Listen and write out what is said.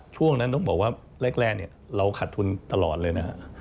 ช่วงนั้นต้องบอกว่าแรกเราขาดทุนตลอดเลยนะฮะ